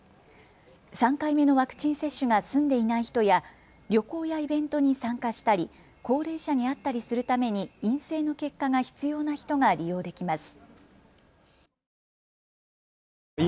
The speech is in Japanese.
３回目のワクチン接種が済んでいない人や旅行やイベントに参加したり高齢者に会ったりするために陰性の結果が必要な人が利用できます。